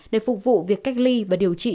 để phục vụ việc cách ly và điều trị